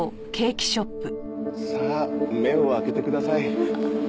さあ目を開けてください。